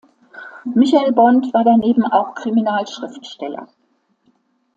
Michael Bond war daneben auch Kriminalschriftsteller.